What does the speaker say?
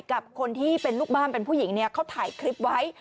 กับคนที่เป็นลูกบ้านเป็นผู้หญิงเนี่ยเขาถ่ายคลิปไว้